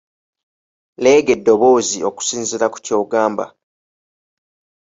Leega eddoboozi okusinziira ku ky'ogamba .